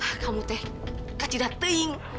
hah kamu t kacida teing